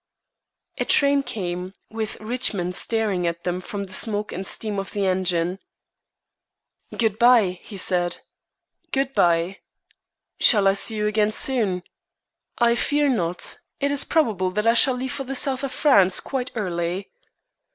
A train came, with "Richmond" staring at them from the smoke and steam of the engine. "Good bye!" he said. "Good bye!" "Shall I see you again soon?" "I fear not. It is probable that I shall leave for the South of France quite early."